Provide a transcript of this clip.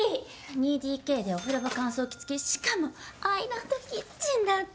２ＤＫでお風呂場乾燥機付きしかもアイランドキッチンだって。